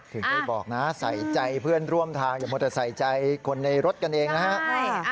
ถึงได้บอกนะใส่ใจเพื่อนร่วมทางอย่ามัวแต่ใส่ใจคนในรถกันเองนะฮะ